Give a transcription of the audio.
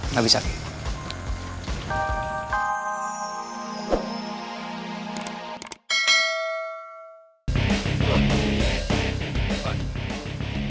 nanti saya pergi